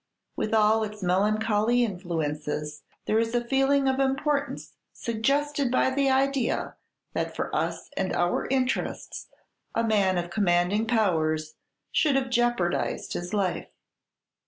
With all its melancholy influences, there is a feeling of importance suggested by the idea that for us and our interests a man of commanding powers should have jeoparded his life.